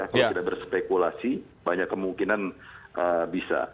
kalau tidak berspekulasi banyak kemungkinan bisa